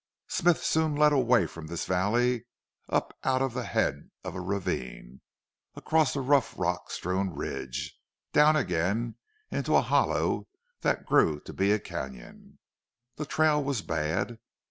Smith soon led away from this valley up out of the head of a ravine, across a rough rock strewn ridge, down again into a hollow that grew to be a canon. The trail was bad.